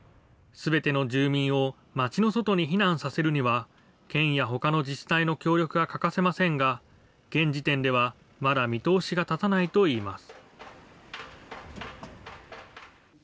すべての住民を町の外に避難させるには、県やほかの自治体の協力が欠かせませんが、現時点ではまだ見通しが立たないといいます。